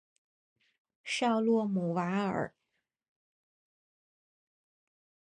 绍洛姆瓦尔。